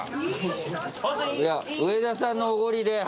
上田さんのおごりで。